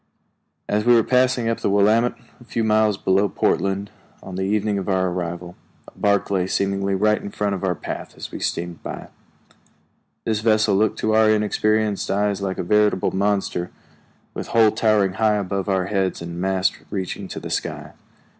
As we were passing up the Willamette, a few miles below Portland, on the evening of our arrival, a bark lay seemingly right in our path as we steamed by. This vessel looked to our inexperienced eyes like a veritable monster, with hull towering high above our heads and masts reaching to the sky.